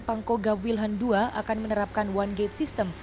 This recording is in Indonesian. pangko gab wilhan ii akan menerapkan one gate system